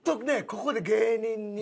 ここで芸人に。